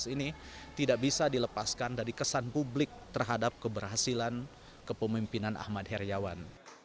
ini tidak bisa dilepaskan dari kesan publik terhadap keberhasilan kepemimpinan ahmad heriawan